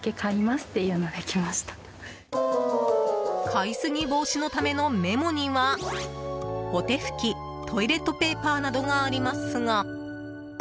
買いすぎ防止のためのメモにはお手拭きトイレットペーパーなどがありますが。